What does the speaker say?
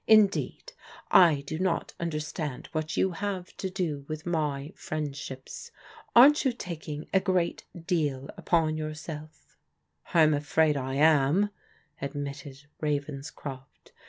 " Indeed, I do not understand what you have to do with my friendships. Aren't you taking a great deal upon yourself ?" "I'm afraid I am," admitted Ravenscroft.